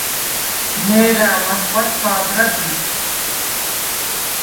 მე̄რა̄̈ლ ახღუ̂ა ჩუ̂ა̄ბრა ბიქუ̂ს.